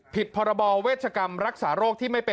พรบเวชกรรมรักษาโรคที่ไม่เป็น